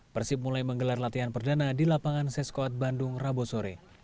persib mulai menggelar latihan perdana di lapangan seskoat bandung rabu sore